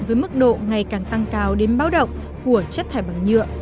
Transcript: với mức độ ngày càng tăng cao đến báo động của chất thải bằng nhựa